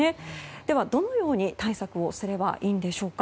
では、どのように対策をすればいいんでしょうか。